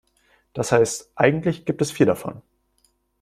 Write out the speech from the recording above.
Das heißt, eigentlich gibt es vier davon.